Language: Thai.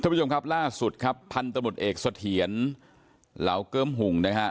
ท่านผู้ชมครับล่าสุดครับพันธุรกิจเอกสัทเถียนเหลาเกิ้มหุ่งนะฮะ